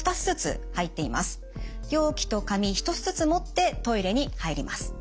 容器と紙１つずつ持ってトイレに入ります。